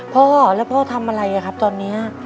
พ่อแล้วพ่อทำอะไรครับตอนนี้